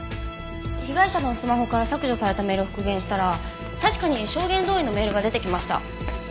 被害者のスマホから削除されたメールを復元したら確かに証言どおりのメールが出てきました。